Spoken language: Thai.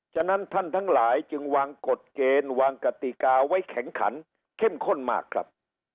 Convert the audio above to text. ฉะนั้นท่านทั้งหลายจึงวางกฎเกณฑ์วางกติกาไว้แข็งขันเข้มข้นมากครับ